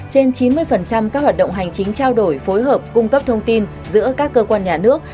trên chín mươi các hoạt động hành chính trao đổi phối hợp cung cấp thông tin giữa các cơ quan nhà nước